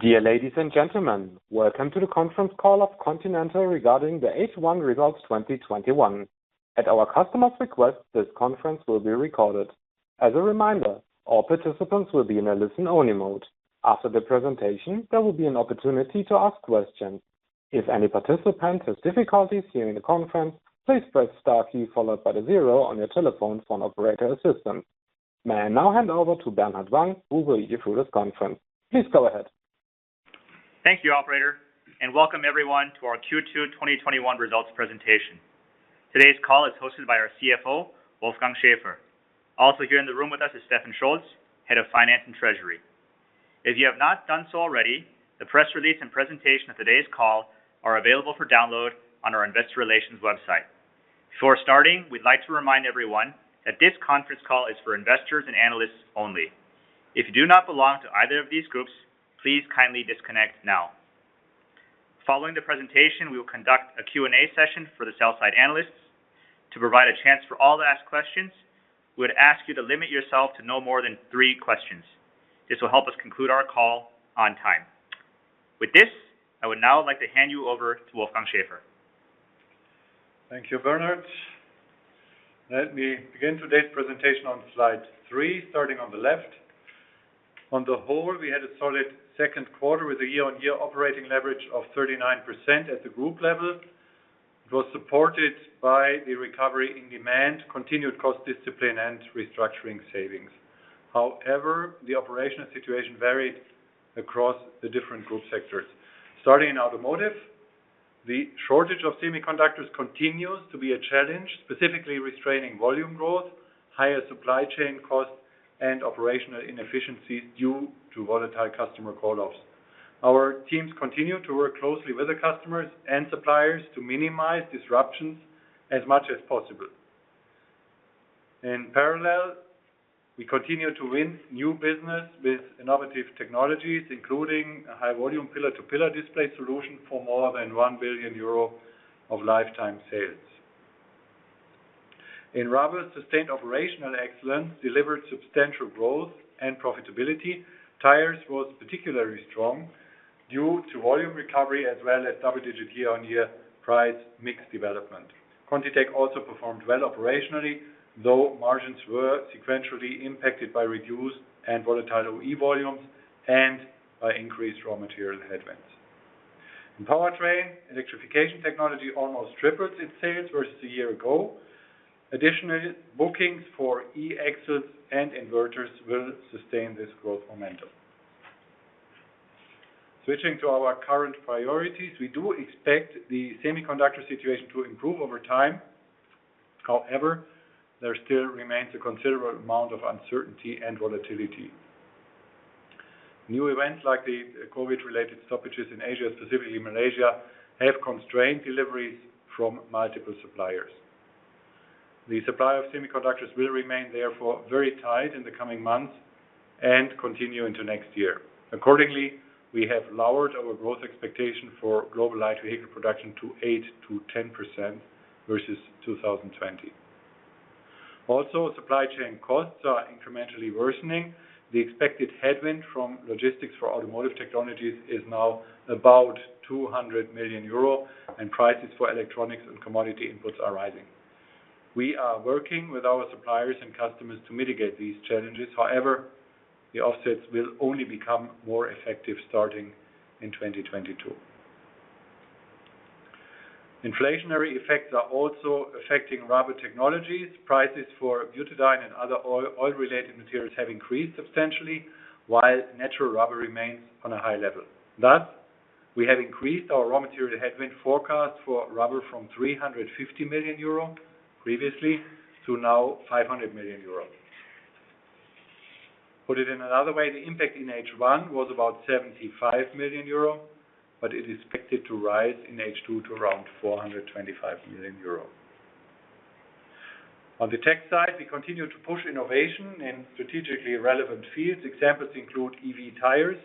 Dear ladies and gentlemen, welcome to the conference call of Continental regarding the H1 results 2021. At our customer's request, this conference will be recorded. As a reminder, all participants will be in a listen-only mode. After the presentation, there will be an opportunity to ask questions. If any participant has difficulties hearing the conference, please press star key followed by the zero on your telephone for operator assistance. May I now hand over to Bernard Wang, who will lead you through this conference. Please go ahead. Thank you, operator, and welcome everyone to our Q2 2021 results presentation. Today's call is hosted by our CFO, Wolfgang Schäfer. Also here in the room with us is Stefan Scholz, Head of Finance & Treasury. If you have not done so already, the press release and presentation of today's call are available for download on our investor relations website. Before starting, we'd like to remind everyone that this conference call is for investors and analysts only. If you do not belong to either of these groups, please kindly disconnect now. Following the presentation, we will conduct a Q&A session for the sell-side analysts. To provide a chance for all to ask questions, we would ask you to limit yourself to no more than three questions. This will help us conclude our call on time. With this, I would now like to hand you over to Wolfgang Schäfer. Thank you, Bernard. Let me begin today's presentation on slide three, starting on the left. On the whole, we had a solid second quarter with a year-on-year operating leverage of 39% at the group level. It was supported by the recovery in demand, continued cost discipline, and restructuring savings. However, the operational situation varied across the different group sectors. Starting in Automotive, the shortage of semiconductors continues to be a challenge, specifically restraining volume growth, higher supply chain costs, and operational inefficiencies due to volatile customer call-offs. Our teams continue to work closely with the customers and suppliers to minimize disruptions as much as possible. In parallel, we continue to win new business with innovative technologies, including a high-volume pillar-to-pillar display solution for more than 1 billion euro of lifetime sales. In Rubber, sustained operational excellence delivered substantial growth and profitability. Tires was particularly strong due to volume recovery as well as double-digit year-on-year price mix development. ContiTech also performed well operationally, though margins were sequentially impacted by reduced and volatile OE volumes and by increased raw material headwinds. In powertrain, electrification technology almost tripled its sales versus a year ago. Additional bookings for e-axles and inverters will sustain this growth momentum. Switching to our current priorities, we do expect the semiconductor situation to improve over time. However, there still remains a considerable amount of uncertainty and volatility. New events like the COVID-related stoppages in Asia, specifically Malaysia, have constrained deliveries from multiple suppliers. The supply of semiconductors will remain therefore very tight in the coming months and continue into next year. Accordingly, we have lowered our growth expectation for global light vehicle production to 8%-10% versus 2020. Supply chain costs are incrementally worsening. The expected headwind from logistics for Automotive Technologies is now about 200 million euro, and prices for electronics and commodity inputs are rising. We are working with our suppliers and customers to mitigate these challenges. However, the offsets will only become more effective starting in 2020. Inflationary effects are also affecting Rubber Technologies. Prices for butadiene and other oil-related materials have increased substantially, while natural rubber remains on a high level. Thus, we have increased our raw material headwind forecast for Rubber from 350 million euro previously to now 500 million euro. Put it in another way, the impact in H1 was about 75 million euro, but it is expected to rise in H2 to around 425 million euro. On the tech side, we continue to push innovation in strategically relevant fields. Examples include EV tires,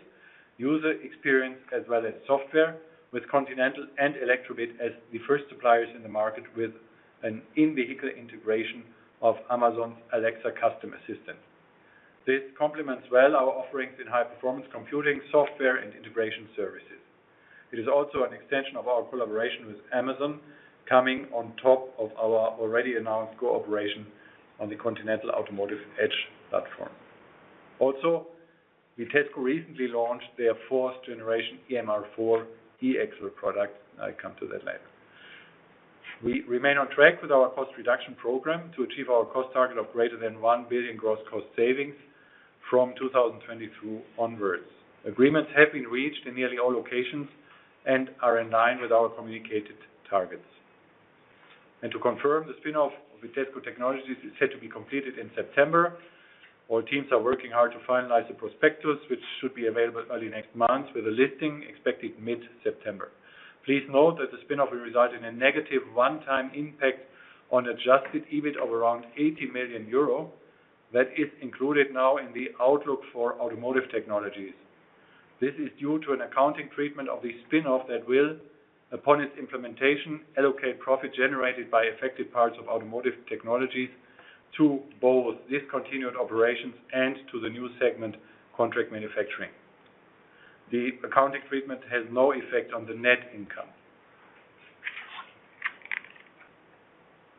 user experience, as well as software with Continental and Elektrobit as the first suppliers in the market with an in-vehicle integration of Amazon's Alexa customer assistant. This complements well our offerings in high-performance computing, software, and integration services. It is also an extension of our collaboration with Amazon, coming on top of our already announced cooperation on the Continental Automotive Edge platform. Also, Vitesco recently launched their fourth generation EMR4.0 e-axle product. I come to that later. We remain on track with our cost reduction program to achieve our cost target of greater than 1 billion gross cost savings from 2022 onwards. Agreements have been reached in nearly all locations and are in line with our communicated targets. To confirm the spin-off of Vitesco Technologies is set to be completed in September. Our teams are working hard to finalize the prospectus, which should be available early next month with a listing expected mid-September. Please note that the spin-off will result in a negative one-time impact on adjusted EBIT of around 80 million euro. That is included now in the outlook for Automotive Technologies. This is due to an accounting treatment of the spin-off that will, upon its implementation, allocate profit generated by affected parts of Automotive Technologies to both discontinued operations and to the new segment, Contract Manufacturing. The accounting treatment has no effect on the net income.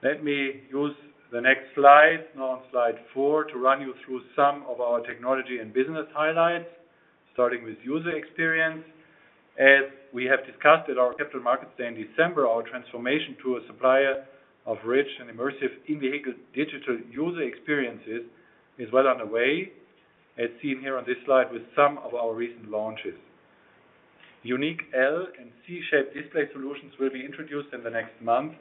Let me use the next slide, now on slide four, to run you through some of our technology and business highlights, starting with user experience. As we have discussed at our capital markets day in December, our transformation to a supplier of rich and immersive in-vehicle digital user experiences is well on the way, as seen here on this slide with some of our recent launches. Unique L and C-shaped display solutions will be introduced in the next month,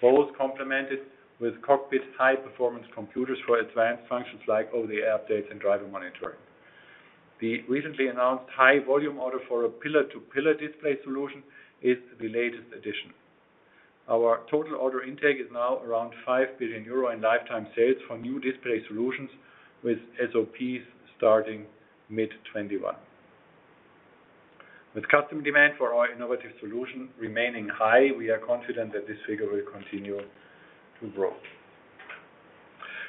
both complemented with cockpit high-performance computers for advanced functions like OTA updates and driver monitoring. The recently announced high volume order for a pillar-to-pillar display solution is the latest addition. Our total order intake is now around 5 billion euro in lifetime sales for new display solutions, with SOPs starting mid 2021. With customer demand for our innovative solution remaining high, we are confident that this figure will continue to grow.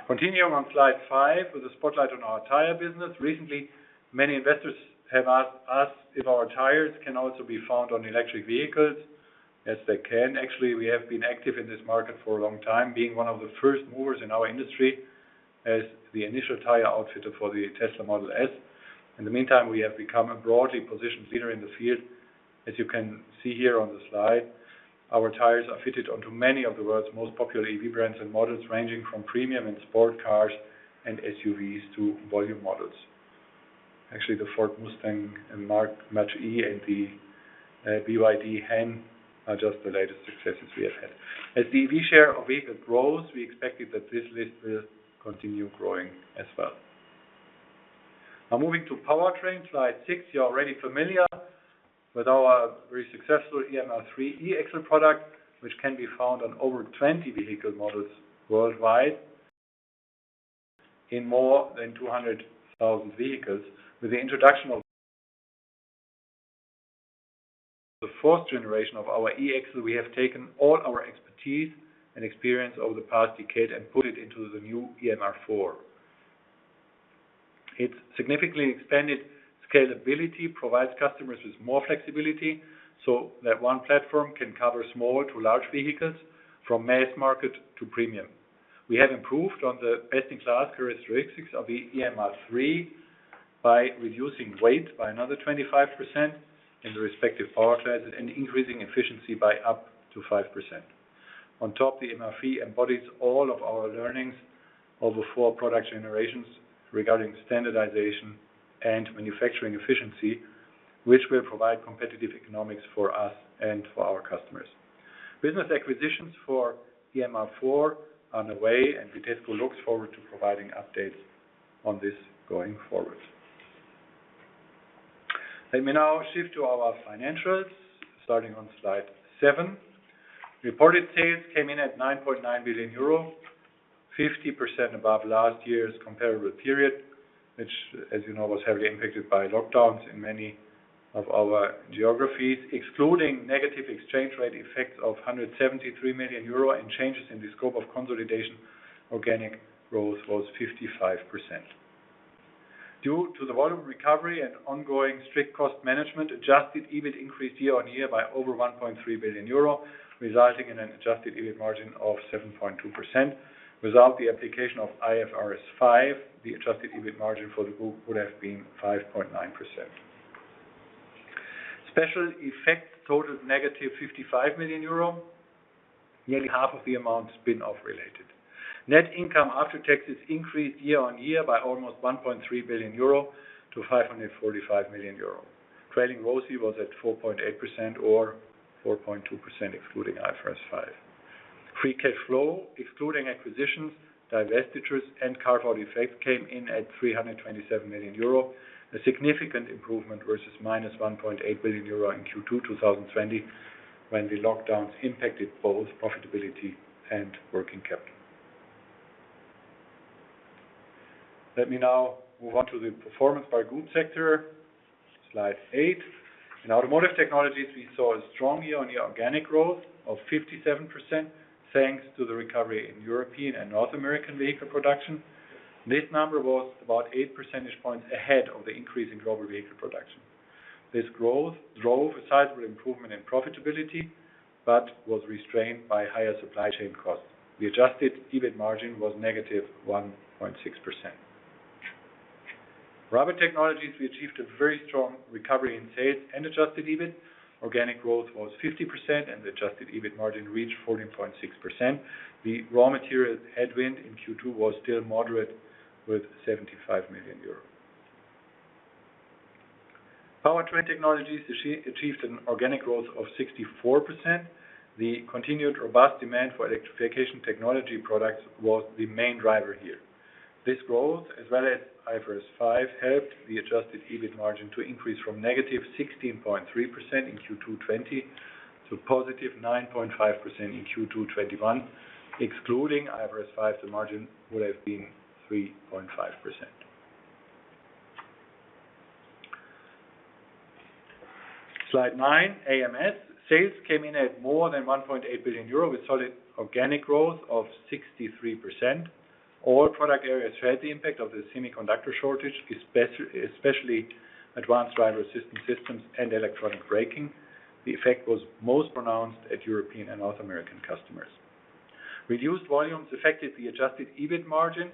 Continuing on slide five with a spotlight on our tire business. Recently, many investors have asked us if our tires can also be found on electric vehicles, yes, they can. Actually, we have been active in this market for a long time, being one of the first movers in our industry as the initial tire outfitter for the Tesla Model S. In the meantime, we have become a broadly positioned leader in the field. As you can see here on the slide, our tires are fitted onto many of the world's most popular EV brands and models, ranging from premium and sport cars and SUVs to volume models. Actually, the Ford Mustang Mach-E and the BYD Han are just the latest successes we have had. As EV share of vehicle grows, we expected that this list will continue growing as well. Now moving to powertrain, slide six. You're already familiar with our very successful EMR3 e-axle product, which can be found on over 20 vehicle models worldwide in more than 200,000 vehicles. With the introduction of the fourth generation of our e-axle, we have taken all our expertise and experience over the past decade and put it into the new EMR4. Its significantly expanded scalability provides customers with more flexibility so that one platform can cover small to large vehicles, from mass market to premium. We have improved on the best-in-class characteristics of the EMR3 by reducing weight by another 25% in the respective power classes and increasing efficiency by up to 5%. On top, the EMR3 embodies all of our learnings over four product generations regarding standardization and manufacturing efficiency, which will provide competitive economics for us and for our customers. Business acquisitions for EMR4 are on the way, and ContiTech looks forward to providing updates on this going forward. Let me now shift to our financials, starting on slide seven. Reported sales came in at 9.9 billion euro, 50% above last year's comparable period, which, as you know, was heavily impacted by lockdowns in many of our geographies. Excluding negative exchange rate effects of 173 million euro and changes in the scope of consolidation, organic growth was 55%. Due to the volume recovery and ongoing strict cost management, adjusted EBIT increased year-on-year by over 1.3 billion euro, resulting in an adjusted EBIT margin of 7.2%. Without the application of IFRS 5, the adjusted EBIT margin for the group would have been 5.9%. Special effects totaled negative 55 million euro. Nearly half of the amount is spin-off related. Net income after taxes increased year-on-year by almost 1.3 billion-545 million euro. Trailing ROCE was at 4.8%, or 4.2% excluding IFRS 5. Free cash flow, excluding acquisitions, divestitures, and carve-out effects, came in at 327 million euro, a significant improvement versus minus 1.8 billion euro in Q2 2020, when the lockdowns impacted both profitability and working capital. Let me now move on to the performance by group sector, slide eight. In Automotive Technologies, we saw a strong year-on-year organic growth of 57%, thanks to the recovery in European and North American vehicle production. This number was about 8 percentage points ahead of the increase in global vehicle production. This growth drove a sizable improvement in profitability but was restrained by higher supply chain costs. The adjusted EBIT margin was negative 1.6%. Rubber Technologies, we achieved a very strong recovery in sales and adjusted EBIT. Organic growth was 50%. The adjusted EBIT margin reached 14.6%. The raw materials headwind in Q2 was still moderate with 75 million euros. Powertrain Technologies achieved an organic growth of 64%. The continued robust demand for electrification technology products was the main driver here. This growth, as well as IFRS 5, helped the adjusted EBIT margin to increase from negative 16.3% in Q2 2020 to positive 9.5% in Q2 2021. Excluding IFRS 5, the margin would have been 3.5%. Slide nine, AMS. Sales came in at more than 1.8 billion euro with solid organic growth of 63%. All product areas felt the impact of the semiconductor shortage, especially advanced driver assistance systems and electronic braking. The effect was most pronounced at European and North American customers. Reduced volumes affected the adjusted EBIT margin,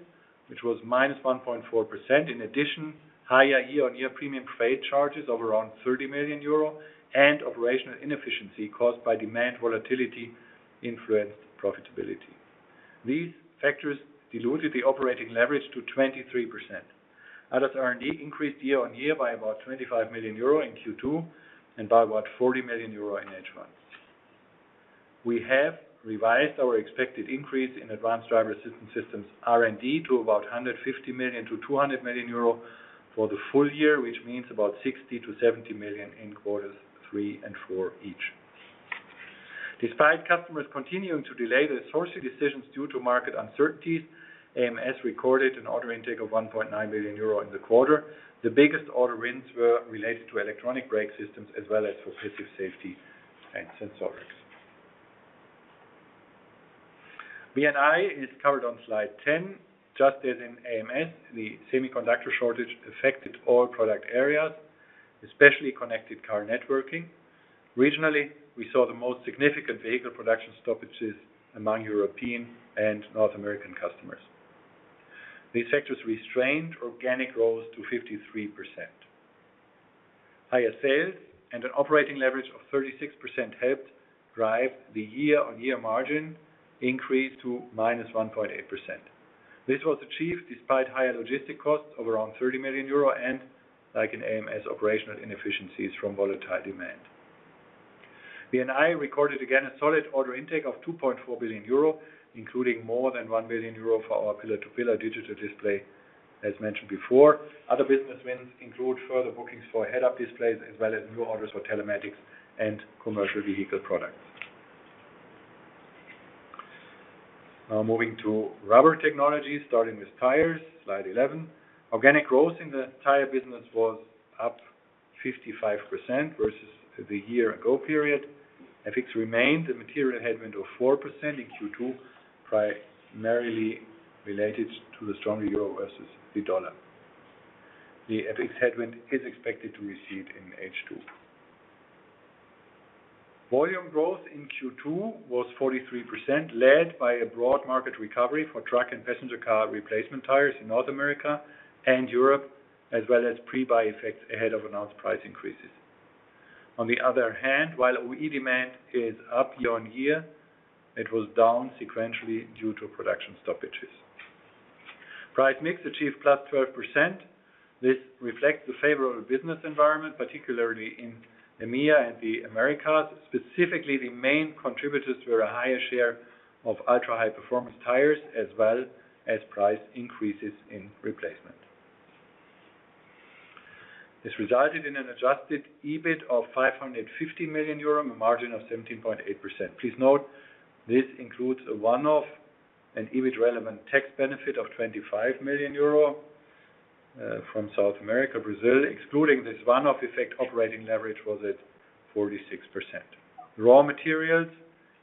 which was -1.4%. In addition, higher year-on-year premium freight charges of around 30 million euro and operational inefficiency caused by demand volatility influenced profitability. These factors diluted the operating leverage to 23%. ADAS R&D increased year-on-year by about 25 million euro in Q2 and by about 40 million euro in H1. We have revised our expected increase in advanced driver assistance systems R&D to about 150 million-200 million euro for the full year, which means about 60 million-70 million in quarters three and four each. Despite customers continuing to delay their sourcing decisions due to market uncertainties, AMS recorded an order intake of 1.9 billion euro in the quarter. The biggest order wins were related to electronic brake systems as well as for passive safety and sensorics. VNI is covered on slide 10. Just as in AMS, the semiconductor shortage affected all product areas, especially connected car networking. Regionally, we saw the most significant vehicle production stoppages among European and North American customers. These sectors restrained organic growth to 53%. Higher sales and an operating leverage of 36% helped drive the year-on-year margin increase to -1.8%. This was achieved despite higher logistic costs of around 30 million euro and, like in Autonomous Mobility and Safety, operational inefficiencies from volatile demand. VNI recorded, again, a solid order intake of 2.4 billion euro, including more than 1 billion euro for our pillar-to-pillar digital display, as mentioned before. Other business wins include further bookings for head-up displays as well as new orders for telematics and commercial vehicle products. Moving to Rubber Technologies, starting with Tires, slide 11. Organic growth in the Tire business was up 55% versus the year ago period. FX remained a material headwind of 4% in Q2, primarily related to the stronger euro versus the dollar. The FX headwind is expected to recede in H2. Volume growth in Q2 was 43%, led by a broad market recovery for truck and passenger car replacement tires in North America and Europe, as well as pre-buy effects ahead of announced price increases. On the other hand, while OE demand is up year-on-year, it was down sequentially due to production stoppages. Price mix achieved plus 12%. This reflects the favorable business environment, particularly in EMEA and the Americas. Specifically, the main contributors were a higher share of ultra-high performance tires as well as price increases in replacement. This resulted in an adjusted EBIT of 550 million euro, a margin of 17.8%. Please note, this includes a one-off and EBIT relevant tax benefit of 25 million euro from South America, Brazil. Excluding this one-off effect, operating leverage was at 46%. Raw materials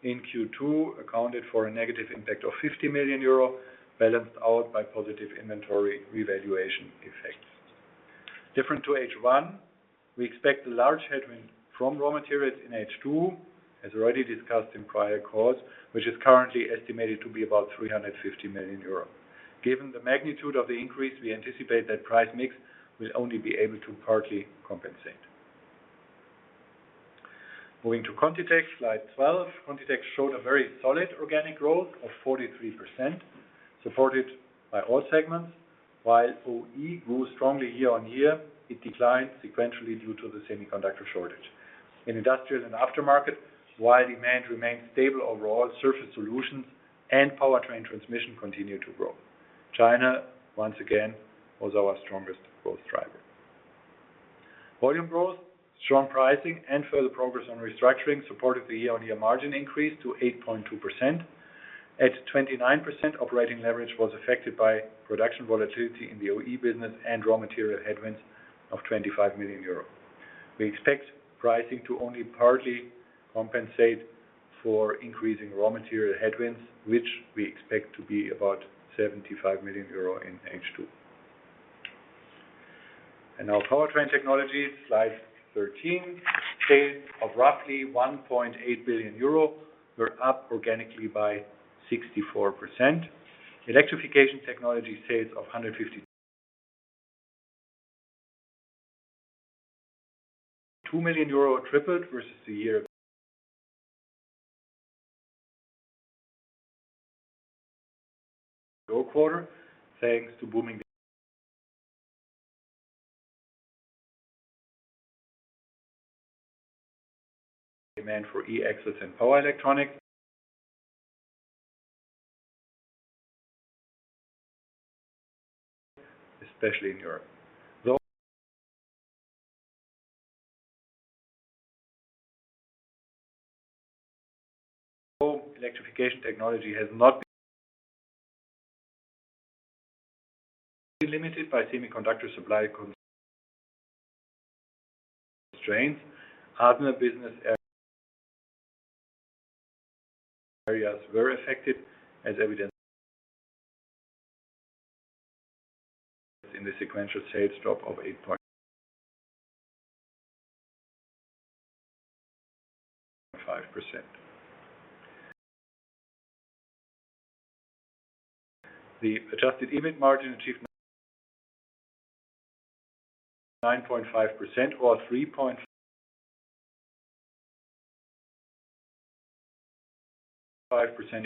in Q2 accounted for a negative impact of 50 million euro, balanced out by positive inventory revaluation effects. Different to H1, we expect a large headwind from raw materials in H2, as already discussed in prior calls, which is currently estimated to be about 350 million euros. Given the magnitude of the increase, we anticipate that price mix will only be able to partly compensate. Moving to ContiTech, slide 12. ContiTech showed a very solid organic growth of 43%, supported by all segments. While OE grew strongly year-on-year, it declined sequentially due to the semiconductor shortage. In industrials and aftermarket, while demand remained stable overall, Surface Solutions and powertrain transmission continued to grow. China, once again, was our strongest growth driver. Volume growth, strong pricing, and further progress on restructuring supported the year-on-year margin increase to 8.2%. At 29%, operating leverage was affected by production volatility in the OE business and raw material headwinds of 25 million euro. We expect pricing to only partly compensate for increasing raw material headwinds, which we expect to be about 75 million euro in H2. Now Powertrain Technologies, slide 13. Sales of roughly 1.8 billion euro were up organically by 64%. Electrification Technology sales of 152 million euro tripled versus the year quarter, thanks to booming demand for e-axles and power electronics especially in Europe. Though Electrification Technology has not been limited by semiconductor supply constraints. Other business areas were affected as evidenced in the sequential sales drop of 8.5%. The adjusted EBIT margin achievement, 9.5% or 3.5%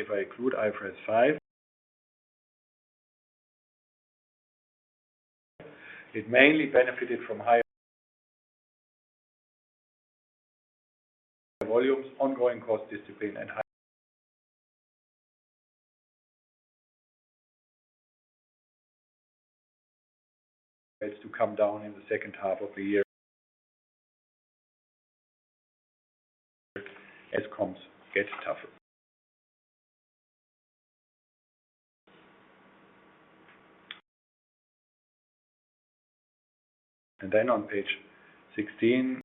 if I include IFRS 5. It mainly benefited from higher volumes, ongoing cost discipline. It is to come down in the second half of the year as comps get tougher. On page 16,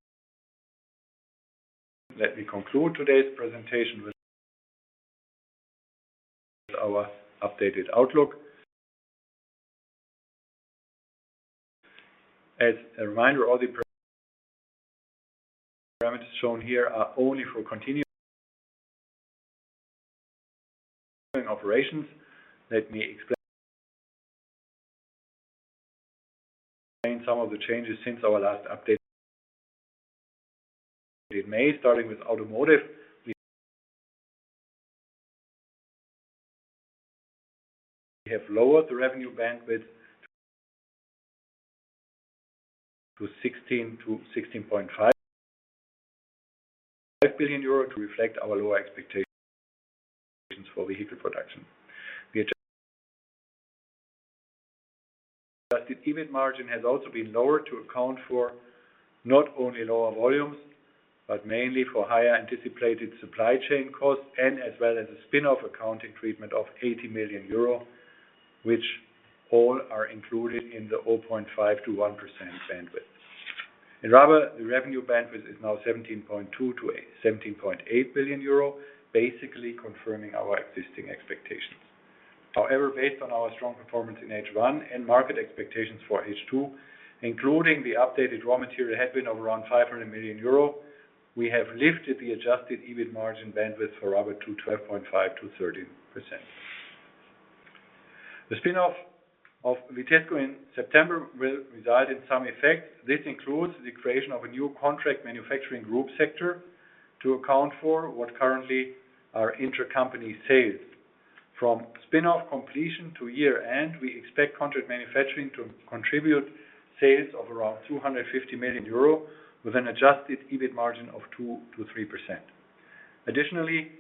let me conclude today's presentation with our updated outlook. As a reminder, all the parameters shown here are only for continuing operations. Let me explain some of the changes since our last update in May, starting with Automotive. We have lowered the revenue bandwidth to 16 billion-16.5 billion euro to reflect our lower expectations for vehicle production. The adjusted EBIT margin has also been lowered to account for not only lower volumes, but mainly for higher anticipated supply chain costs and as well as the spin-off accounting treatment of 80 million euro, which all are included in the 0.5%-1% bandwidth. In Rubber, the revenue bandwidth is now 17.2 billion-17.8 billion euro, basically confirming our existing expectations. Based on our strong performance in H1 and market expectations for H2, including the updated raw material headwind of around 500 million euro, we have lifted the adjusted EBIT margin bandwidth for Rubber to 12.5%-13%. The spin-off of Vitesco in September will result in some effects. This includes the creation of a new Contract Manufacturing group sector to account for what currently are intra-company sales. From spin-off completion to year-end, we expect Contract Manufacturing to contribute sales of around 250 million euro with an adjusted EBIT margin of 2%-3%. Additionally,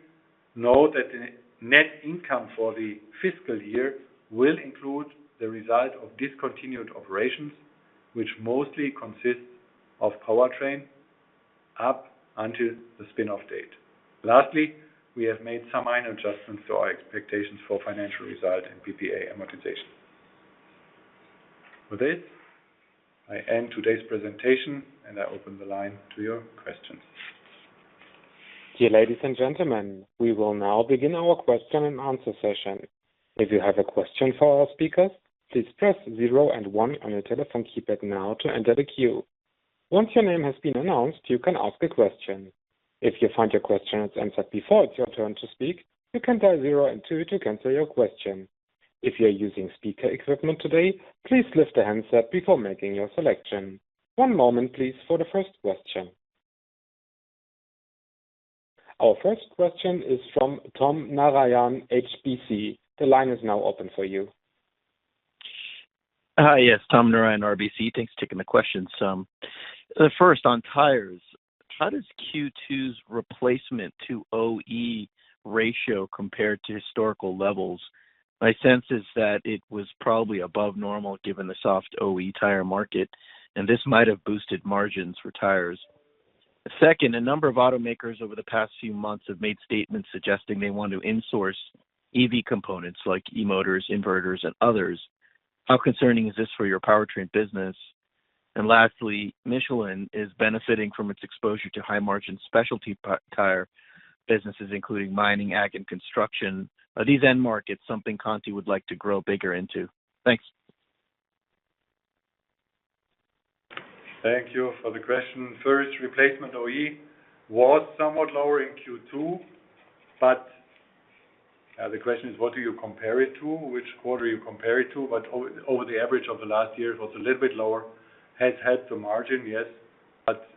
note that the net income for the fiscal year will include the result of discontinued operations, which mostly consists of powertrain up until the spin-off date. Lastly, we have made some minor adjustments to our expectations for financial result and PPA amortization. With this, I end today's presentation, and I open the line to your questions. Dear ladies and gentlemen, we will now begin our question and answer session. If you have a question for our speakers, please press zero and one on your telephone keypad now to enter the queue. Once your name has been announced, you can ask a question. If you find your question has answered before it's your turn to speak, you can dial zero and two to cancel your question. If you're using speaker equipment today, please lift the handset before making your selection. One moment, please, for the first question. Our first question is from Tom Narayan, RBC. The line is now open for you. Hi. Yes, Tom Narayan, RBC. Thanks for taking the question. First, on tires, how does Q2's replacement to OE ratio compare to historical levels? My sense is that it was probably above normal given the soft OE tire market, and this might have boosted margins for tires. Second, a number of automakers over the past few months have made statements suggesting they want to insource EV components like E-motors, inverters, and others. How concerning is this for your powertrain business? Lastly, Michelin is benefiting from its exposure to high-margin specialty tire businesses, including mining, ag, and construction. Are these end markets something Continental would like to grow bigger into? Thanks. Thank you for the question. First, replacement OE was somewhat lower in Q2, but the question is, what do you compare it to? Which quarter you compare it to? Over the average of the last year, it was a little bit lower. It has helped the margin, yes, but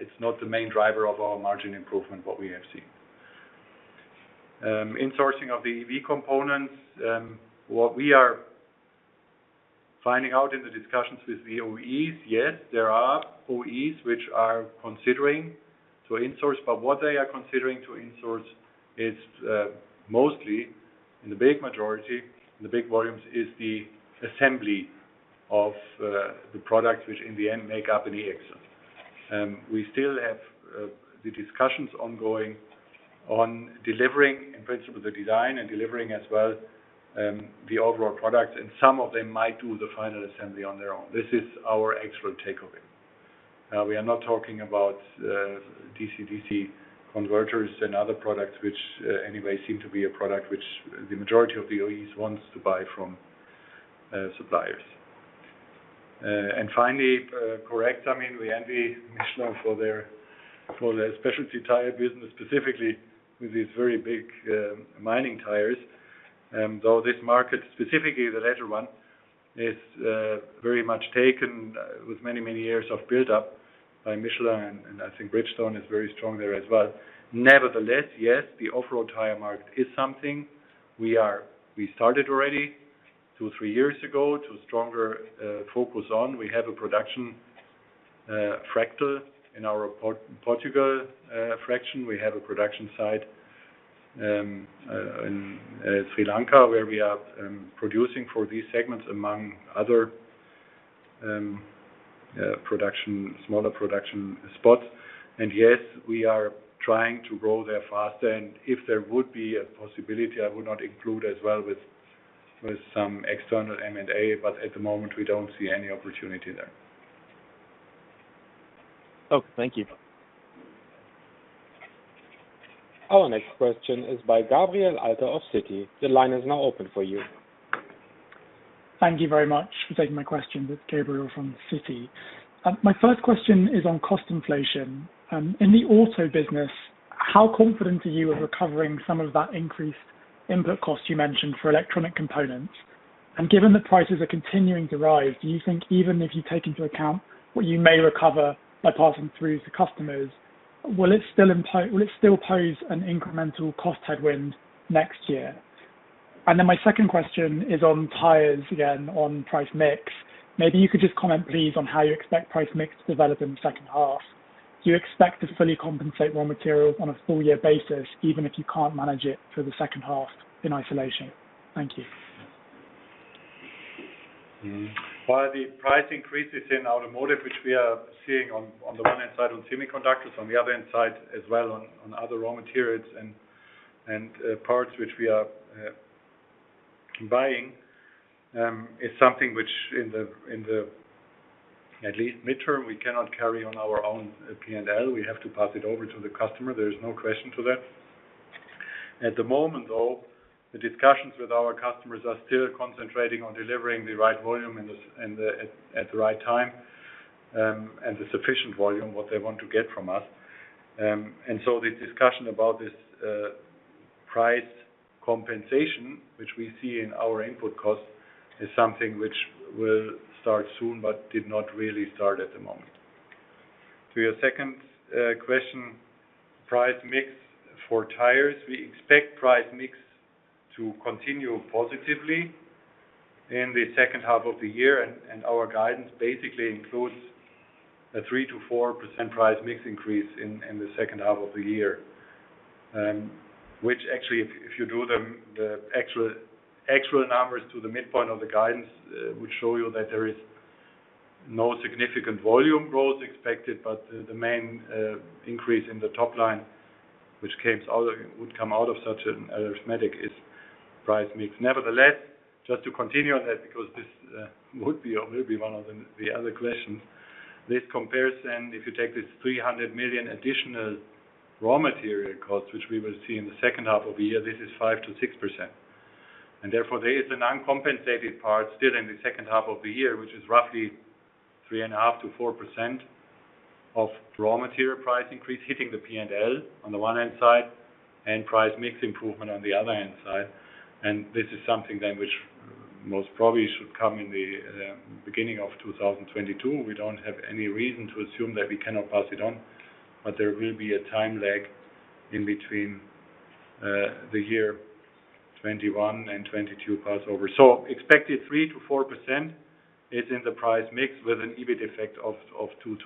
it's not the main driver of our margin improvement, what we have seen. Insourcing of the EV components, what we are finding out in the discussions with the OEs, yes, there are OEs which are considering to insource, but what they are considering to insource is mostly, in the big majority, in the big volumes, is the assembly of the products which in the end make up an e-axle. We still have the discussions ongoing on delivering, in principle, the design and delivering as well the overall product, and some of them might do the final assembly on their own. This is our actual takeaway. We are not talking about DC-DC converters and other products, which anyway seem to be a product which the majority of the OEs wants to buy from suppliers. Finally, correct me, we envy Michelin for their specialty tire business, specifically with these very big mining tires. Though this market, specifically the latter one, is very much taken with many years of buildup by Michelin, and I think Bridgestone is very strong there as well. Nevertheless, yes, the off-road tire market is something we started already two, three years ago to stronger focus on. We have a production facility in our Portugal factory. We have a production site in Sri Lanka where we are producing for these segments, among other smaller production spots. Yes, we are trying to grow there faster. If there would be a possibility, I would not include as well with some external M&A. At the moment, we don't see any opportunity there. Okay. Thank you. Our next question is by Gabriel Adler of Citi. The line is now open for you. Thank you very much for taking my question. It's Gabriel from Citi. My first question is on cost inflation. In the auto business, how confident are you of recovering some of that increased input cost you mentioned for electronic components? Given that prices are continuing to rise, do you think even if you take into account what you may recover by passing through to customers, will it still pose an incremental cost headwind next year? Then my second question is on tires again, on price mix. Maybe you could just comment, please, on how you expect price mix to develop in the second half. Do you expect to fully compensate raw materials on a full-year basis, even if you can't manage it for the second half in isolation? Thank you. Well, the price increases in Automotive, which we are seeing on the one hand side on semiconductors, on the other hand side as well on other raw materials and parts which we are buying, is something which, in the at least midterm, we cannot carry on our own P&L. We have to pass it over to the customer. There's no question to that. At the moment, though, the discussions with our customers are still concentrating on delivering the right volume at the right time, and the sufficient volume, what they want to get from us. The discussion about this price compensation, which we see in our input cost, is something which will start soon, but did not really start at the moment. To your second question, price mix for tires. We expect price mix to continue positively in the second half of the year, our guidance basically includes a 3%-4% price mix increase in the second half of the year. Actually, if you do the actual numbers to the midpoint of the guidance, will show you that there is no significant volume growth expected, but the main increase in the top line, which would come out of such an arithmetic is price mix. Just to continue on that, because this would be or will be one of the other questions, this comparison, if you take this 300 million additional raw material cost, which we will see in the second half of the year, this is 5%-6%. Therefore, there is an uncompensated part still in the second half of the year, which is roughly 3.5%-4% of raw material price increase hitting the P&L on the one hand side, and price mix improvement on the other hand side. This is something which most probably should come in the beginning of 2022. We don't have any reason to assume that we cannot pass it on, but there will be a time lag in between the year 2021 and 2022 passover. Expected 3%-4% is in the price mix with an EBIT effect of 2%-3%.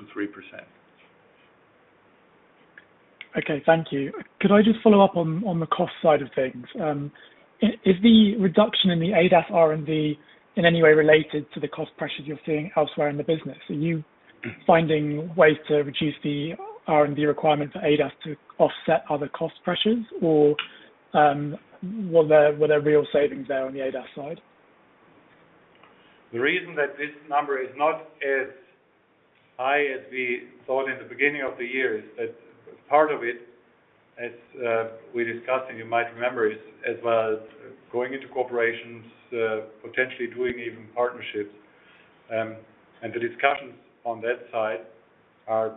Okay, thank you. Could I just follow up on the cost side of things? Is the reduction in the ADAS R&D in any way related to the cost pressures you're seeing elsewhere in the business? Are you finding ways to reduce the R&D requirement for ADAS to offset other cost pressures, or were there real savings there on the ADAS side? The reason that this number is not as high as we thought in the beginning of the year is that part of it, as we discussed, and you might remember, is as well as going into cooperations, potentially doing even partnerships. The discussions on that side are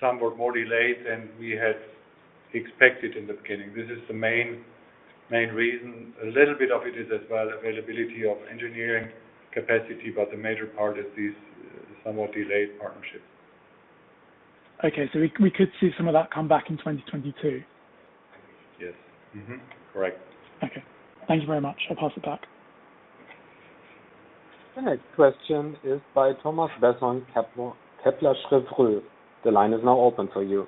some were more delayed than we had expected in the beginning. This is the main reason. A little bit of it is as well availability of engineering capacity, but the major part is these somewhat delayed partnerships. Okay, we could see some of that come back in 2022? Yes. Correct. Okay. Thank you very much. I will pass it back. The next question is by Thomas Besson, Kepler Cheuvreux. The line is now open for you.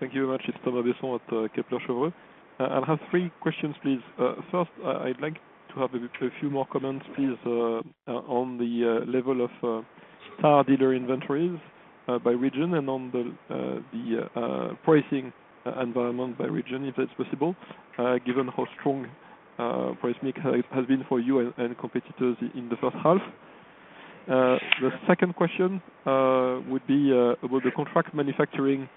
Thank you very much. It's Thomas Besson at Kepler Cheuvreux. I'll have three questions, please. First, I'd like to have a few more comments, please, on the level of car dealer inventories by region and on the pricing environment by region, if that's possible, given how strong price mix has been for you and competitors in the first half. The second question would be about the Contract Manufacturing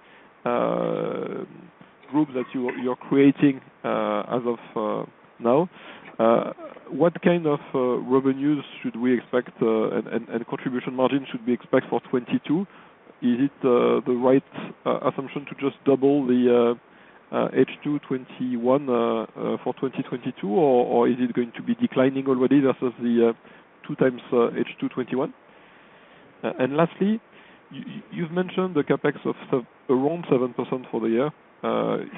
group that you're creating as of now. What kind of revenues should we expect and contribution margin should we expect for 2022? Is it the right assumption to just double the H2 2021 for 2022, or is it going to be declining already versus the two times H2 2021? Lastly, you've mentioned the CapEx of around 7% for the year.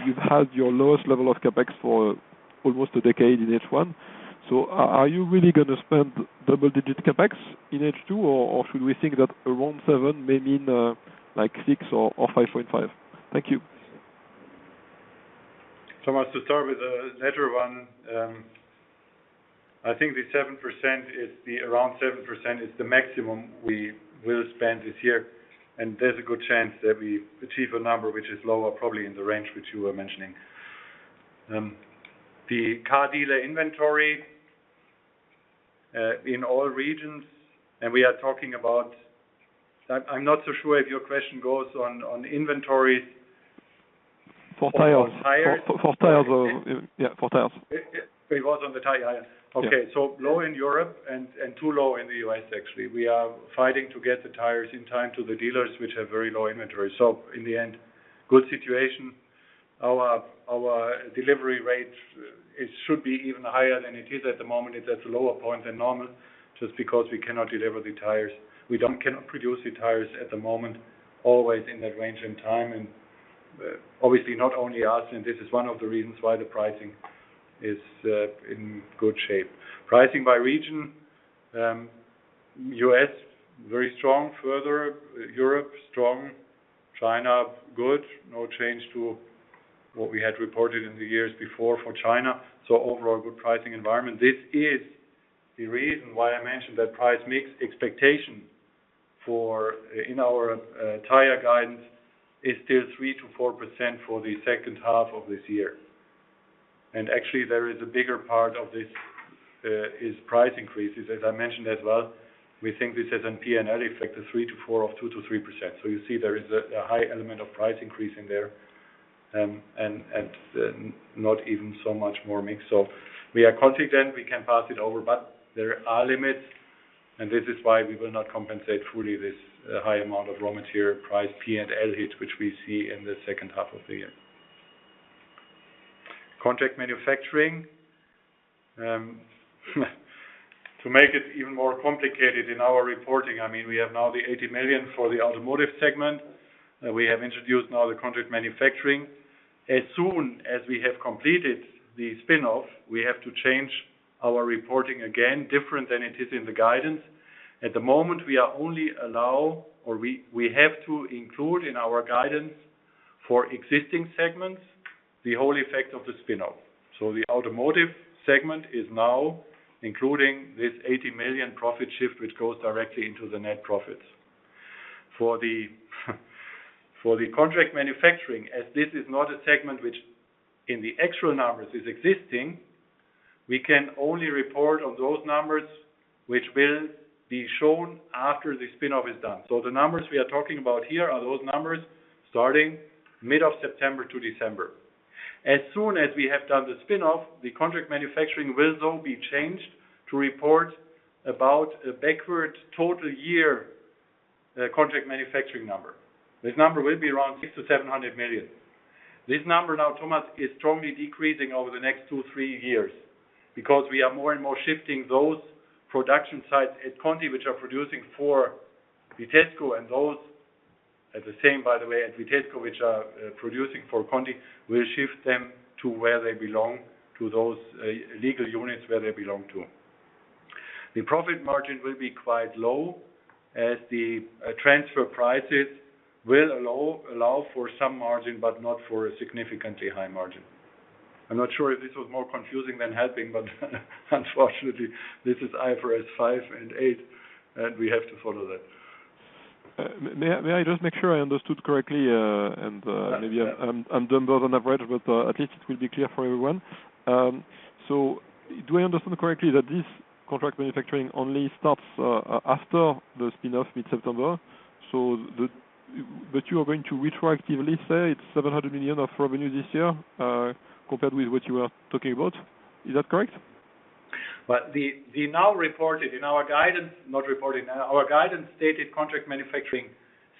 You've had your lowest level of CapEx for almost a decade in H1. Are you really going to spend double-digit CapEx in H2, or should we think that around 7% may mean 6% or 5.5%? Thank you. Thomas, to start with the latter one, I think the around 7% is the maximum we will spend this year. There's a good chance that we achieve a number which is lower, probably in the range which you were mentioning. The car dealer inventory in all regions, and we are talking about, I'm not so sure if your question goes on inventories. For tires. For tires. For tires or Yeah, for tires. It was on the tire. Yeah. Okay, low in Europe and too low in the U.S., actually. We are fighting to get the tires in time to the dealers, which have very low inventory. In the end, good situation. Our delivery rate should be even higher than it is at the moment. It's at a lower point than normal, just because we cannot deliver the tires. We cannot produce the tires at the moment, always in that range and time, and obviously not only us, and this is one of the reasons why the pricing is in good shape. Pricing by region. U.S., very strong. Further, Europe, strong. China, good. No change to what we had reported in the years before for China. Overall, good pricing environment. This is the reason why I mentioned that price mix expectation in our Tire guidance is still 3%-4% for the second half of this year. Actually, there is a bigger part of this is price increases. As I mentioned as well, we think this has an P&L effect of 3%-4% or 2%-3%. You see there is a high element of price increase in there, and not even so much more mix. We are confident we can pass it over, but there are limits, and this is why we will not compensate fully this high amount of raw material price P&L hit, which we see in the second half of the year. Contract Manufacturing. To make it even more complicated in our reporting, we have now the 80 million for the Automotive segment. We have introduced now the Contract Manufacturing. As soon as we have completed the spinoff, we have to change our reporting again, different than it is in the guidance. At the moment, we have to include in our guidance for existing segments the whole effect of the spinoff. The Automotive Segment is now including this 80 million profit shift, which goes directly into the net profits. For the Contract Manufacturing, as this is not a segment which in the actual numbers is existing, we can only report on those numbers which will be shown after the spinoff is done. The numbers we are talking about here are those numbers starting mid of September to December. As soon as we have done the spinoff, the Contract Manufacturing will, though, be changed to report about a backward total year Contract Manufacturing number. This number will be around 600 million-700 million. This number now, Thomas, is strongly decreasing over the next two, three years because we are more and more shifting those production sites at Conti which are producing for Vitesco and those at the same, by the way, at Vitesco which are producing for Conti, we will shift them to where they belong, to those legal units where they belong to. The profit margin will be quite low as the transfer prices will allow for some margin, but not for a significantly high margin. I am not sure if this was more confusing than helping, unfortunately, this is IFRS 5 and 8, and we have to follow that. May I just make sure I understood correctly? Maybe I'm dumber than average, but at least it will be clear for everyone. Do I understand correctly that this contract manufacturing only starts after the spinoff mid-September? You are going to retroactively say it's 700 million of revenue this year compared with what you were talking about. Is that correct? Well, our guidance stated Contract Manufacturing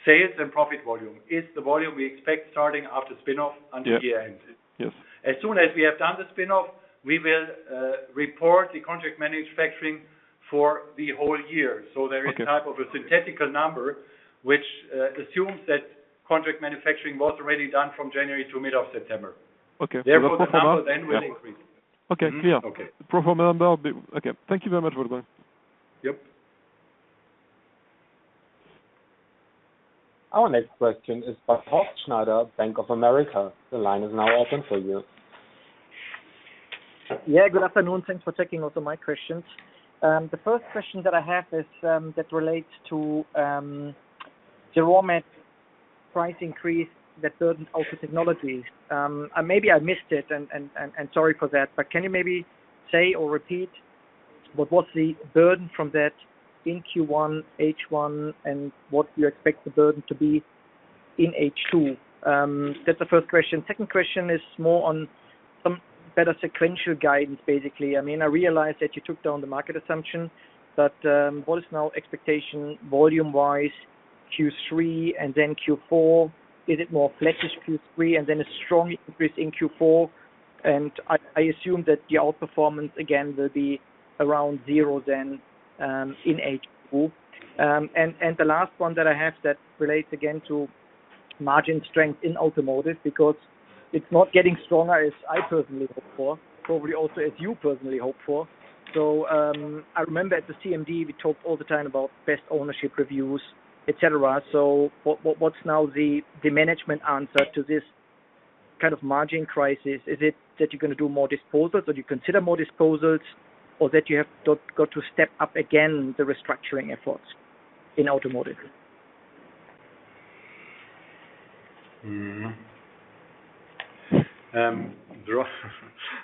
sales and profit volume is the volume we expect starting after spinoff under year end. Yes. As soon as we have done the spinoff, we will report the Contract Manufacturing for the whole year. Okay. There is type of a synthetic number which assumes that Contract Manufacturing was already done from January to mid of September. Okay. Then will increase. Okay, clear. Okay. Pro forma number. Okay. Thank you very much, Wolfgang. Yep. Our next question is by Horst Schneider, Bank of America. The line is now open for you. Good afternoon. Thanks for taking also my questions. First question that I have relates to the raw material price increase that burdens Vitesco Technologies. Maybe I missed it, and sorry for that, but can you maybe say or repeat what was the burden from that in Q1, H1, and what you expect the burden to be in H2? That's the first question. Second question is more on some better sequential guidance, basically. I realize that you took down the market assumption, what is now expectation volume-wise Q3 and then Q4? Is it more flattish Q3 and then a strong increase in Q4? I assume that the outperformance again will be around zero then in H2. The last one that I have that relates again to margin strength in automotive, because it's not getting stronger as I personally hope for, probably also as you personally hope for. I remember at the CMD we talked all the time about best ownership reviews, et cetera. What's now the management answer to this kind of margin crisis? Is it that you're going to do more disposals, or you consider more disposals, or that you have got to step up again the restructuring efforts in automotive?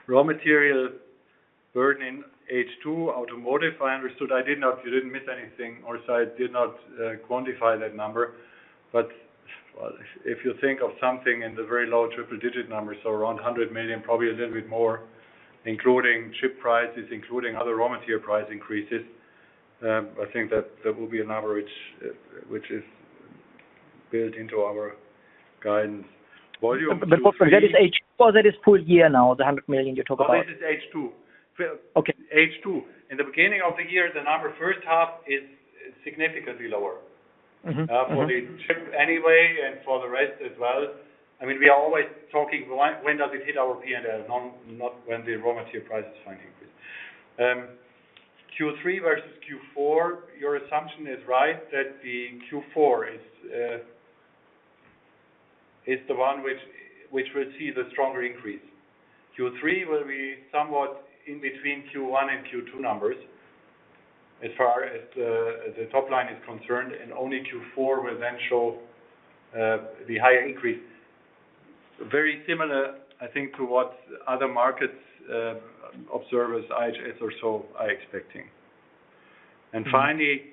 Raw material burden in H2 Automotive, I understood. You didn't miss anything, Horst. I did not quantify that number, but if you think of something in the very low triple-digit numbers, so around 100 million, probably a little bit more, including chip prices, including other raw material price increases, I think that will be a number which is built into our guidance volume. That is full year now, the 100 million you talk about. No, this is H2. Okay. H2. In the beginning of the year, the number first half is significantly lower. anyway, and for the rest as well. We are always talking, when does it hit our P&L? Not when the raw material price is going to increase. Q3 versus Q4, your assumption is right that the Q4 is the one which will see the stronger increase. Q3 will be somewhat in between Q1 and Q2 numbers as far as the top line is concerned. Only Q4 will then show the higher increase. Very similar, I think, to what other markets observers, IHS or so, are expecting. Finally,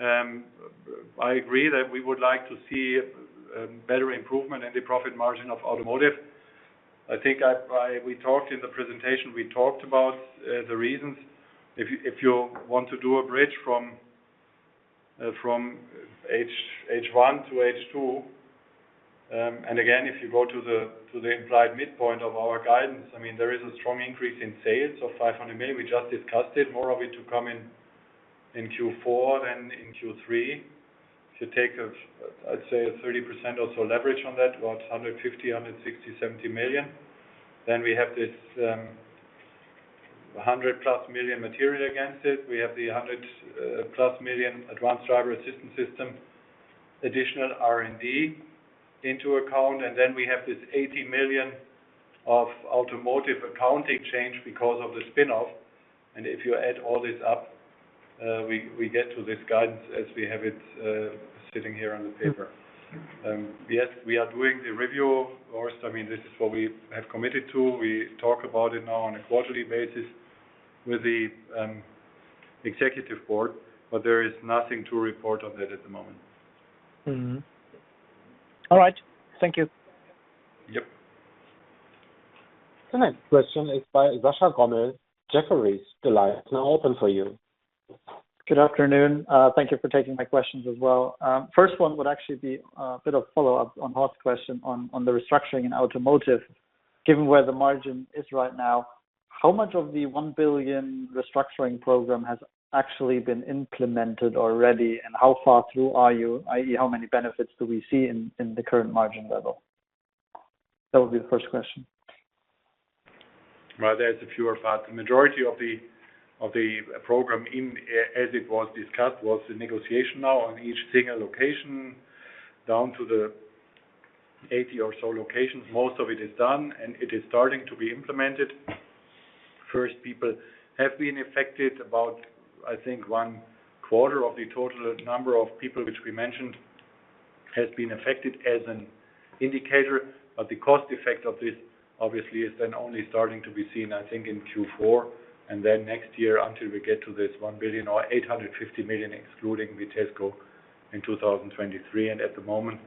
I agree that we would like to see better improvement in the profit margin of automotive. I think we talked in the presentation, we talked about the reasons. If you want to do a bridge from H1-H2, and again, if you go to the implied midpoint of our guidance, there is a strong increase in sales of 500 million. We just discussed it, more of it to come in Q4 than in Q3. If you take, I'd say, a 30% or so leverage on that, about 150 million, 160 million, 70 million. We have this 100-plus million material against it. We have the 100-plus million advanced driver assistance system, additional R&D into account. We have this 80 million of Automotive accounting change because of the spinoff. If you add all this up, we get to this guidance as we have it sitting here on the paper. We are doing the review, Horst. This is what we have committed to. We talk about it now on a quarterly basis with the executive board, but there is nothing to report on that at the moment. All right. Thank you. Yep. The next question is by Sascha Gommel, Jefferies. The line is now open for you. Good afternoon. Thank you for taking my questions as well. First one would actually be a bit of follow-up on Horst's question on the restructuring in Automotive. Given where the margin is right now, how much of the 1 billion restructuring program has actually been implemented already, and how far through are you, i.e., how many benefits do we see in the current margin level? That would be the first question. There's a few parts. The majority of the program as it was discussed was the negotiation now on each single location, down to the 80 or so locations. Most of it is done, and it is starting to be implemented. First people have been affected, about I think one quarter of the total number of people which we mentioned has been affected as an indicator. The cost effect of this, obviously, is then only starting to be seen, I think, in Q4, and then next year until we get to this 1 billion or 850 million, excluding Vitesco in 2023. At the moment,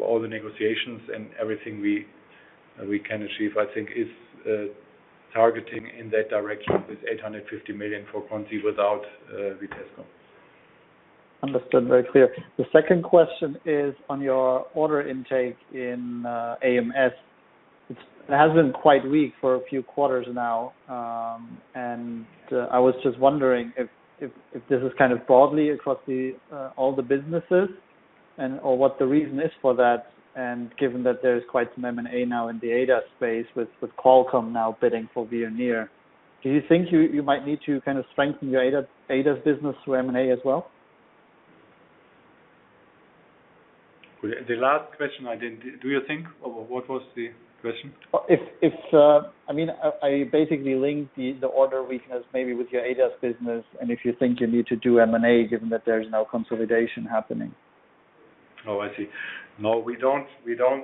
all the negotiations and everything we can achieve, I think, is targeting in that direction with 850 million for Conti without Vitesco. Understood. Very clear. The second question is on your order intake in AMS. It has been quite weak for a few quarters now, and I was just wondering if this is kind of broadly across all the businesses, or what the reason is for that, and given that there is quite some M&A now in the ADAS space with Qualcomm now bidding for Veoneer, do you think you might need to strengthen your ADAS business through M&A as well? The last question. Do you think, or what was the question? I basically linked the order weakness maybe with your ADAS business, and if you think you need to do M&A given that there is now consolidation happening. Oh, I see. No, we don't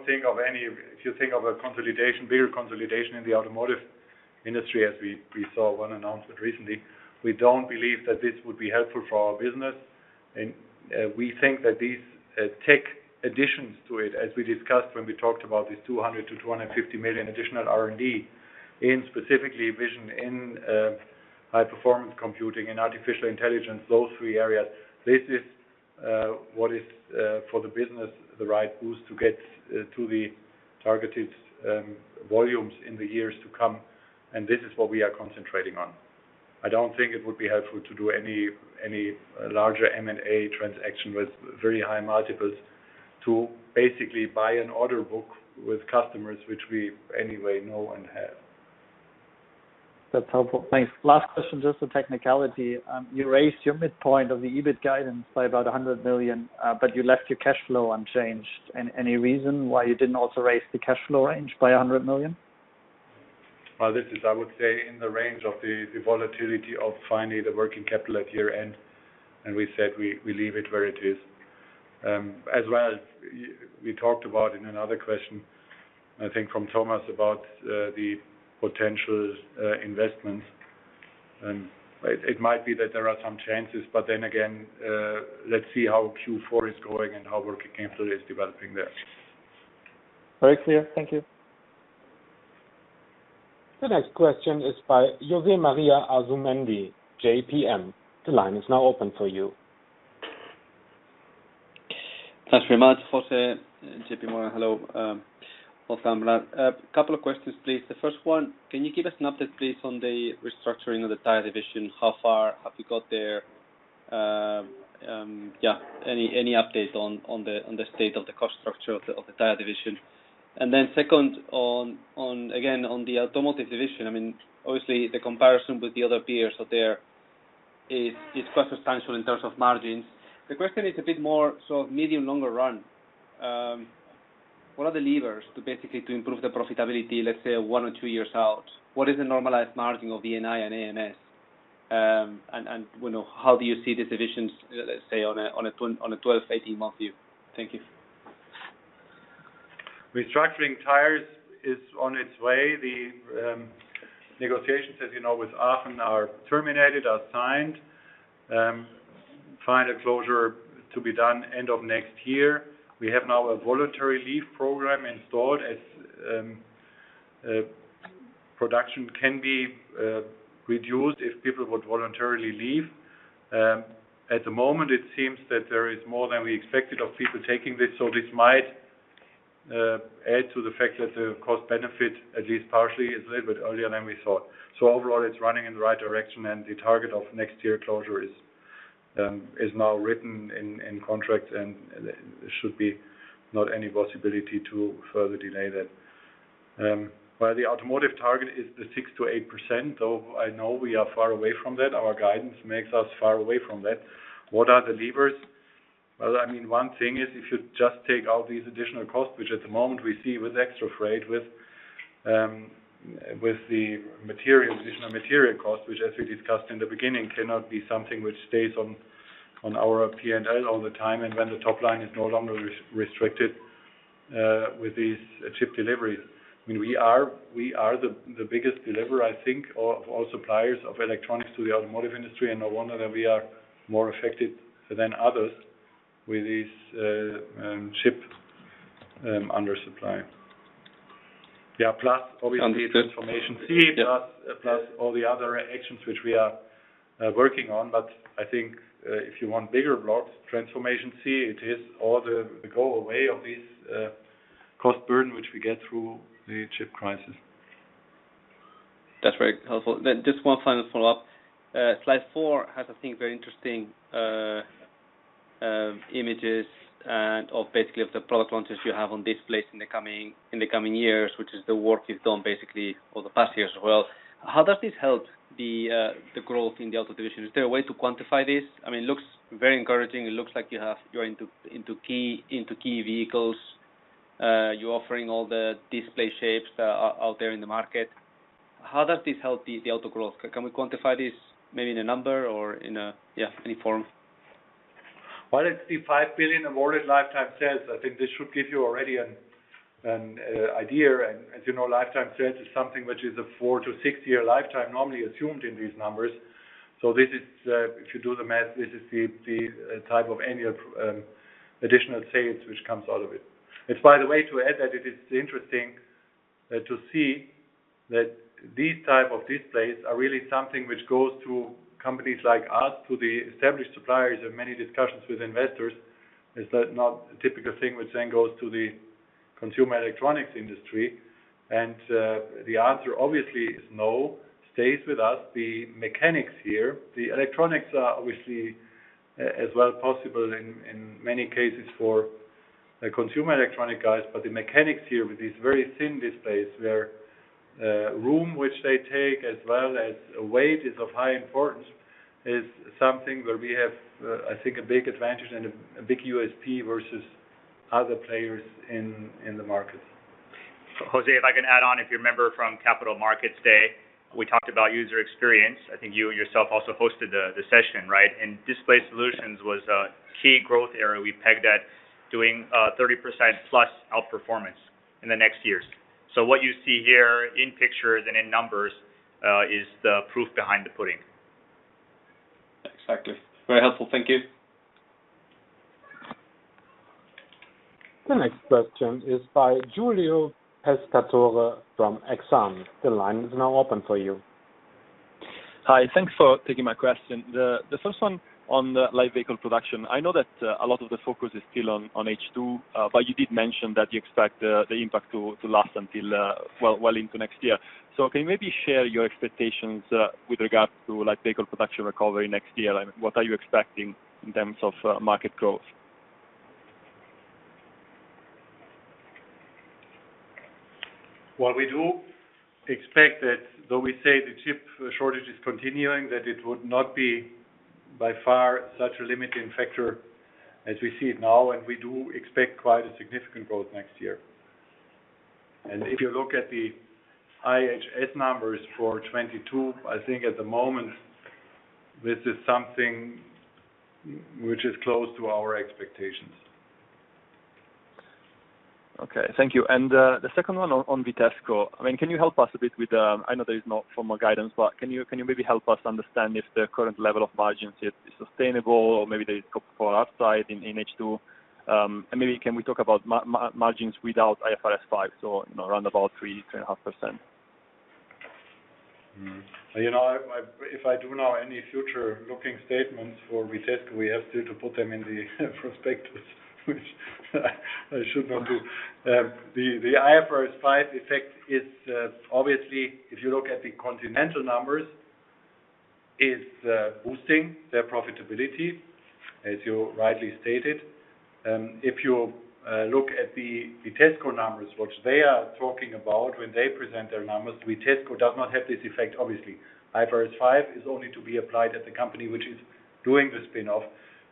think. If you think of a consolidation, bigger consolidation in the automotive industry as we saw one announcement recently, we don't believe that this would be helpful for our business. We think that these tech additions to it, as we discussed when we talked about these 200 million-250 million additional R&D in specifically vision, in high-performance computing and artificial intelligence, those three areas, this is what is for the business, the right boost to get to the targeted volumes in the years to come. This is what we are concentrating on. I don't think it would be helpful to do any larger M&A transaction with very high multiples to basically buy an order book with customers, which we anyway know and have. That's helpful. Thanks. Last question, just a technicality. You raised your midpoint of the EBIT guidance by about 100 million, but you left your cash flow unchanged. Any reason why you didn't also raise the cash flow range by 100 million? This is, I would say, in the range of the volatility of finding the working capital at year-end, and we said we leave it where it is. We talked about in another question, I think from Thomas, about the potential investments, and it might be that there are some changes. Again, let's see how Q4 is going and how working capital is developing there. Very clear. Thank you. The next question is by José Maria Asumendi, JPM. The line is now open for you. Thanks very much, José. JPM. Hello. Welcome. A couple of questions, please. The first one, can you give us an update, please, on the restructuring of the Tire division? How far have you got there? Any update on the state of the cost structure of the Tire division? Second, again, on the Automotive division, obviously the comparison with the other peers out there is quite substantial in terms of margins. The question is a bit more medium, longer run. What are the levers to basically improve the profitability, let’s say, one or two years out? What is the normalized margin of VNI and AMS? How do you see these divisions, let’s say, on a 12-18 month view? Thank you. Restructuring tires is on its way. The negotiations, as you know, with Aachen are terminated, are signed. Final closure to be done end of next year. We have now a voluntary leave program installed as production can be reduced if people would voluntarily leave. At the moment, it seems that there is more than we expected of people taking this, so this might add to the fact that the cost benefit, at least partially, is a little bit earlier than we thought. Overall, it's running in the right direction and the target of next year closure is now written in contract and should be not any possibility to further delay that. While the Automotive target is the 6%-8%, though I know we are far away from that. Our guidance makes us far away from that. What are the levers? Well, one thing is if you just take out these additional costs, which at the moment we see with extra freight, with the material, additional material costs, which as we discussed in the beginning, cannot be something which stays on our P&L all the time and when the top line is no longer restricted with these chip deliveries. We are the biggest deliverer, I think, of all suppliers of electronics to the automotive industry. No wonder that we are more affected than others with this chip undersupply. Plus obviously Transformation C, plus all the other actions which we are working on. I think, if you want bigger blocks, Transformation C, it is all the go away of this cost burden, which we get through the chip crisis. That's very helpful. Just one final follow-up. Slide four has, I think, very interesting images and basically of the product launches you have on display in the coming years, which is the work you've done basically for the past year as well. How does this help the growth in the auto division? Is there a way to quantify this? It looks very encouraging. It looks like you're into key vehicles. You're offering all the display shapes out there in the market. How does this help the auto growth? Can we quantify this maybe in a number or in any form? Well, it's the 5 billion of ordered lifetime sales. I think this should give you already an idea. As you know, lifetime sales is something which is a four to six-year lifetime normally assumed in these numbers. This is, if you do the math, this is the type of annual additional sales which comes out of it. By the way, to add that it is interesting to see that these type of displays are really something which goes to companies like us, to the established suppliers of many discussions with investors. It's not a typical thing which then goes to the consumer electronics industry. The answer obviously is no. Stays with us. The mechanics here, the electronics are obviously as well possible in many cases for the consumer electronic guys. The mechanics here with these very thin displays, where room which they take as well as weight is of high importance, is something where we have, I think, a big advantage and a big USP versus other players in the market. José, if I can add on, if you remember from Capital Markets Day, we talked about user experience. I think you yourself also hosted the session, right? Display solutions was a key growth area we pegged at doing 30% plus outperformance in the next years. What you see here in pictures and in numbers is the proof behind the pudding. Exactly. Very helpful. Thank you. The next question is by Giulio Pescatore from Exane. The line is now open for you. Hi, thanks for taking my question. The first one on the light vehicle production. I know that a lot of the focus is still on H2, but you did mention that you expect the impact to last until well into next year. Can you maybe share your expectations with regard to light vehicle production recovery next year? What are you expecting in terms of market growth? What we do expect that though we say the chip shortage is continuing, that it would not be by far such a limiting factor as we see it now, and we do expect quite a significant growth next year. If you look at the IHS numbers for 2022, I think at the moment this is something which is close to our expectations. Okay. Thank you. The second one on Vitesco. Can you help us a bit with, I know there is no formal guidance, but can you maybe help us understand if the current level of margins is sustainable or maybe there is scope for upside in H2? Maybe can we talk about margins without IFRS 5, so around about 3.5%? I do now any future-looking statements for Vitesco, we have still to put them in the prospectus, which I should not do. The IFRS 5 effect is obviously, if you look at the Continental numbers, is boosting their profitability, as you rightly stated. If you look at the Vitesco numbers, which they are talking about when they present their numbers, Vitesco does not have this effect obviously. IFRS 5 is only to be applied at the company which is doing the spin-off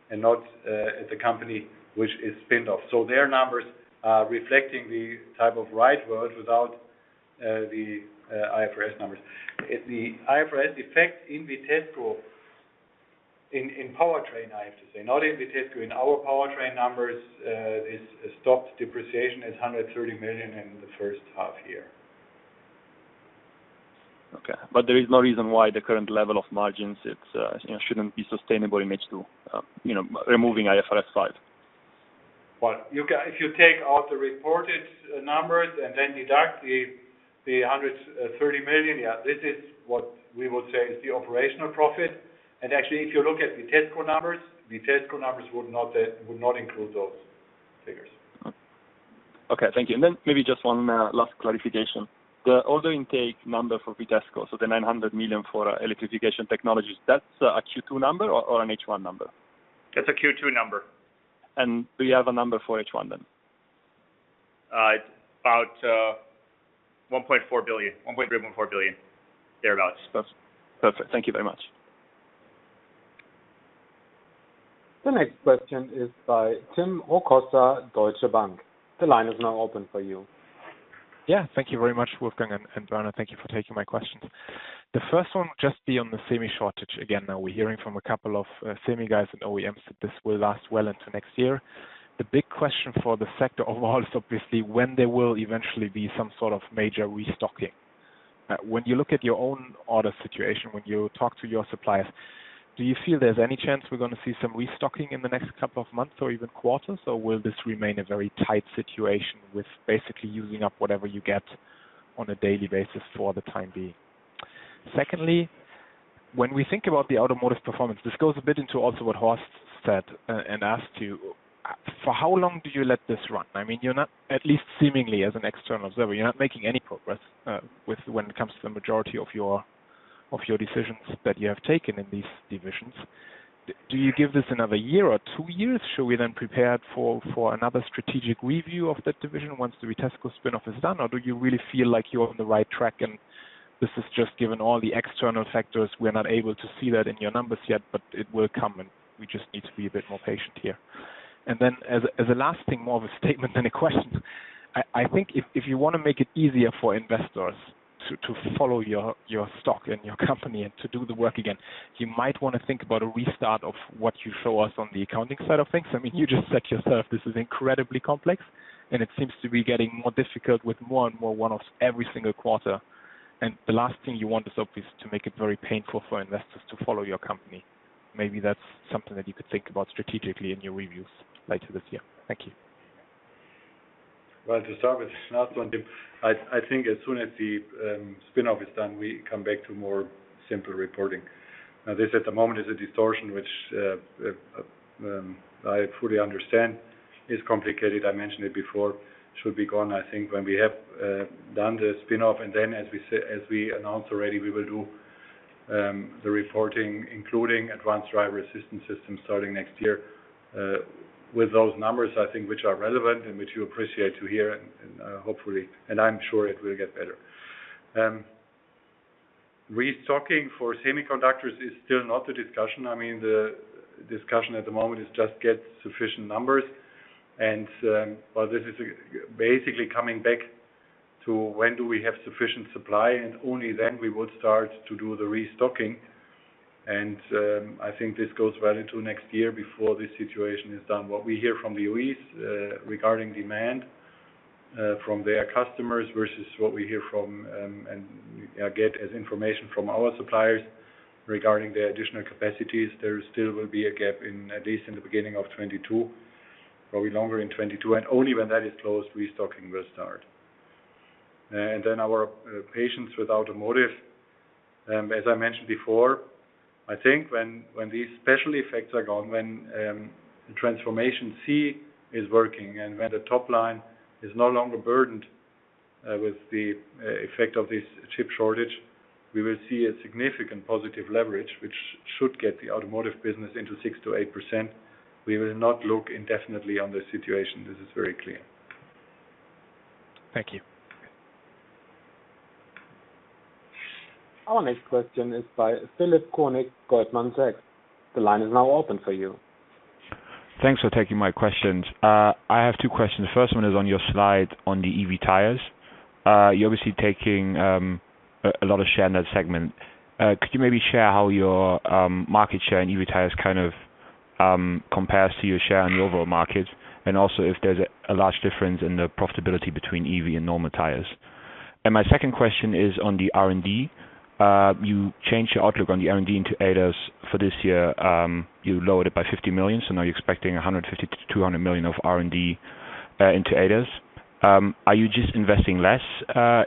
and not at the company which is spinned off. Their numbers are reflecting the type of real world without the IFRS numbers. The IFRS effect in Vitesco, in powertrain I have to say, not in Vitesco, in our powertrain numbers, is stopped depreciation is 130 million in the first half year. Okay. There is no reason why the current level of margins shouldn't be sustainable in H2, removing IFRS 5. If you take out the reported numbers and then deduct the 130 million, this is what we would say is the operational profit. Actually, if you look at Vitesco numbers, Vitesco numbers would not include those figures. Okay, thank you. Maybe just one last clarification. The order intake number for Vitesco, so the 900 million for electrification technologies, that's a Q2 number or an H1 number? It's a Q2 number. Do you have a number for H1 then? It's about 1.3 billion-1.4 billion, thereabouts. Perfect. Thank you very much. The next question is by Tim Rokossa, Deutsche Bank. The line is now open for you. Yeah. Thank you very much, Wolfgang and Bernard. Thank you for taking my questions. The first one will just be on the semi shortage again. We're hearing from a couple of semi guys and OEMs that this will last well into next year. The big question for the sector overall is obviously when there will eventually be some sort of major restocking. You look at your own order situation, when you talk to your suppliers, do you feel there's any chance we're going to see some restocking in the next couple of months or even quarters, or will this remain a very tight situation with basically using up whatever you get on a daily basis for the time being? Secondly, we think about the Automotive performance, this goes a bit into also what Horst said and asked you. For how long do you let this run? You're not, at least seemingly as an external observer, you're not making any progress when it comes to the majority of your decisions that you have taken in these divisions. Do you give this another year or two years? Should we then prepare for another strategic review of that division once the Vitesco spin-off is done? Or do you really feel like you're on the right track, and this is just given all the external factors, we're not able to see that in your numbers yet, but it will come, and we just need to be a bit more patient here? Then as a last thing, more of a statement than a question. I think if you want to make it easier for investors to follow your stock and your company and to do the work again, you might want to think about a restart of what you show us on the accounting side of things. You just said yourself this is incredibly complex, and it seems to be getting more difficult with more and more one-offs every single quarter. The last thing you want is obviously to make it very painful for investors to follow your company. Maybe that's something that you could think about strategically in your reviews later this year. Thank you. Well, to start with, it's not one, Tim. I think as soon as the spin-off is done, we come back to more simple reporting. This at the moment is a distortion, which I fully understand is complicated. I mentioned it before, should be gone, I think, when we have done the spin-off, and then as we announced already, we will do the reporting, including advanced driver assistance systems starting next year, with those numbers, I think, which are relevant and which you appreciate to hear and hopefully, and I'm sure it will get better. Restocking for semiconductors is still not a discussion. The discussion at the moment is just get sufficient numbers and, well, this is basically coming back to when do we have sufficient supply, and only then we would start to do the restocking. I think this goes well into next year before this situation is done. What we hear from the OE regarding demand from their customers versus what we hear from and get as information from our suppliers regarding their additional capacities, there still will be a gap at least in the beginning of 2022, probably longer in 2022. Only when that is closed, restocking will start. Our patience with Automotive, as I mentioned before, I think when these special effects are gone, when the Transformation C is working and when the top line is no longer burdened with the effect of this chip shortage, we will see a significant positive leverage, which should get the Automotive business into 6%-8%. We will not look indefinitely on this situation. This is very clear. Thank you. Our next question is by Philipp Koenig, Goldman Sachs. The line is now open for you. Thanks for taking my questions. I have two questions. The first one is on your slide on the EV tires. You're obviously taking a lot of share in that segment. Could you maybe share how your market share in EV tires kind of compares to your share in the overall market? Also if there's a large difference in the profitability between EV and normal tires. My second question is on the R&D. You changed your outlook on the R&D into ADAS for this year. You lowered it by 50 million, now you're expecting 150 million-200 million of R&D into ADAS. Are you just investing less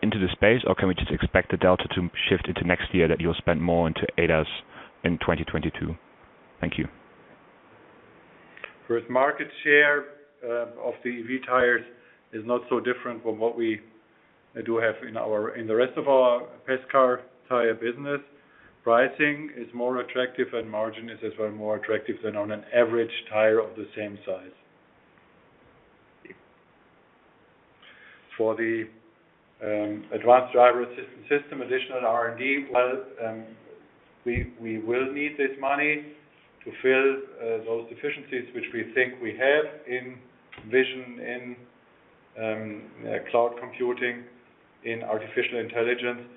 into the space, or can we just expect the delta to shift into next year, that you'll spend more into ADAS in 2022? Thank you. First, market share of the EV tires is not so different from what we do have in the rest of our passenger car tire business. Pricing is more attractive and margin is as well more attractive than on an average tire of the same size. For the advanced driver-assistance system, additional R&D, well, we will need this money to fill those deficiencies, which we think we have in vision, in cloud computing, in artificial intelligence.